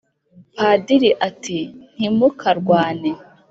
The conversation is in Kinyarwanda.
padiri ati " ntimukarwane